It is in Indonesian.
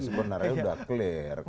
sebenarnya udah clear